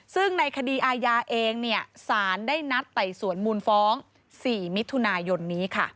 ซึ่งในคดีอาญาเองสารได้นัดไต่สวนมูลฟ้อง๔มิถุนายนนี้